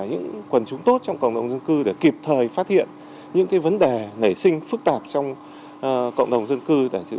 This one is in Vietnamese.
những quần chúng tốt trong cộng đồng dân cư để kịp thời phát hiện những vấn đề nảy sinh phức tạp trong cộng đồng dân cư tại